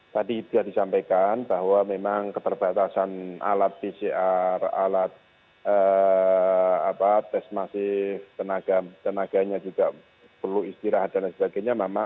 tadi sudah disampaikan bahwa memang keterbatasan alat pcr alat tes masif tenaganya juga perlu istirahat dan sebagainya